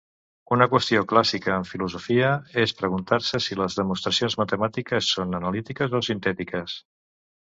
Una qüestió clàssica en filosofia és preguntar-se si les demostracions matemàtiques són analítiques o sintètiques.